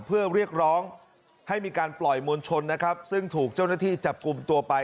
เพื่อเรียกร้องให้มีการปล่อยมวลชนนะครับซึ่งถูกเจ้าหน้าที่จับกลุ่มตัวไป